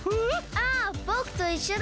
あっぼくといっしょだ！